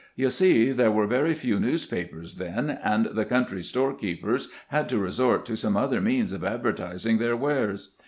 You see, there were very few newspapers then, and the country storekeepers had to resort to some other means of advertising their wares.